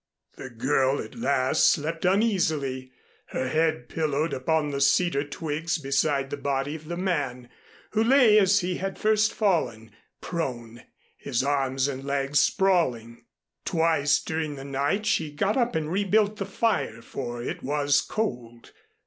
The girl at last slept uneasily, her head pillowed upon the cedar twigs beside the body of the man, who lay as he had first fallen, prone, his arms and legs sprawling. Twice during the night she got up and rebuilt the fire, for it was cold.